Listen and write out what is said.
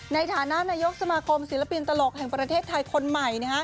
ในฐานะนายกสมาคมศิลปินตลกแห่งประเทศไทยคนใหม่